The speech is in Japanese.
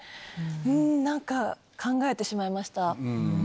うん何か考えてしまいました。